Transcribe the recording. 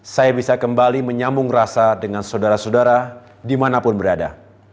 saya bisa kembali menyambung rasa dengan saudara saudara dimanapun berada